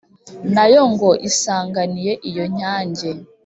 na yo ngo isanganiye iyo nyange